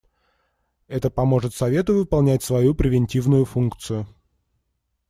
Это поможет Совету выполнять свою превентивную функцию.